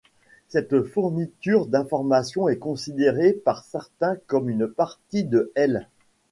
Cette fourniture d'informations est considérée par certains comme une partie de l'.